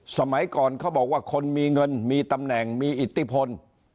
สมัยก่อนเขาบอกว่าคนมีเงินมีตำแหน่งมีอิทธิพล